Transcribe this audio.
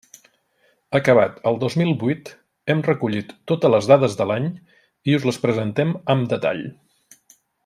Acabat el dos mil vuit hem recollit totes les dades de l'any i us les presentem amb detall.